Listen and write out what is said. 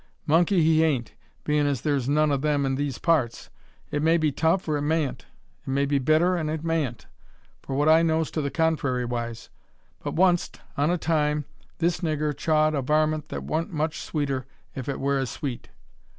Monkey he hain't, bein' as thur's none o' 'em in these parts. It may be tough, or it mayn't; it may be bitter, an' it mayn't, for what I knows to the contrairywise; but, oncest on a time, this niggur chawed a varmint that wa'n't much sweeter, if it wur as sweet."